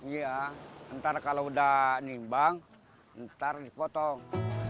iya ntar kalau udah nimbang ntar dipotong